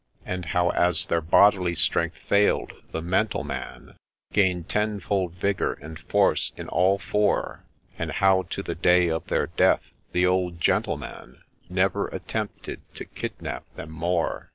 And how, as their bodily strength fail'd, the mental man Gain'd tenfold vigour and force in all four ; And how, to the day of their death, the ' Old Gentleman ' Never attempted to kidnap them more.